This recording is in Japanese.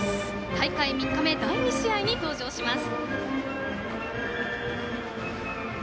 大会３日目第２試合に登場します。